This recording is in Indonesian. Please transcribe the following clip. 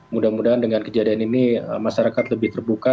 mudah mudahan dengan kejadian ini masyarakat lebih terbuka